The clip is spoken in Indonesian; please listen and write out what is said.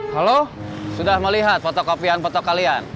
halo sudah melihat foto kopian foto kalian